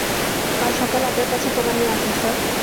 কাল সকালে আপনার কাছে প্রমাণ নিয়ে আসবো, স্যার।